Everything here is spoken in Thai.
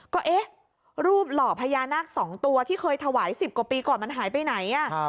ก็เอ๊ะรูปหล่อพญานาค๒ตัวที่เคยถวาย๑๐กว่าปีก่อนมันหายไปไหน